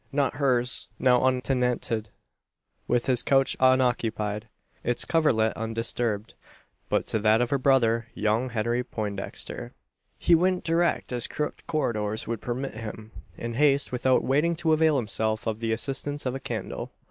Not hers now untenanted, with its couch unoccupied, its coverlet undisturbed but to that of her brother, young Henry Poindexter. He went direct as crooked corridors would permit him in haste, without waiting to avail himself of the assistance of a candle.